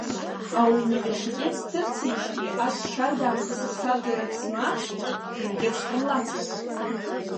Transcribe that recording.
Ауниверситет сҭырцеижьҭеи, ас шьардаамҭа сыԥсадгьыл ахь смаацкәа, абыржәеиԥш сҟамлацызт.